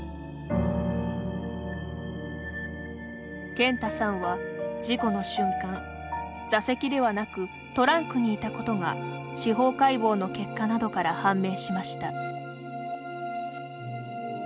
健太さんは事故の瞬間座席ではなくトランクにいたことが司法解剖の結果などから判明しました。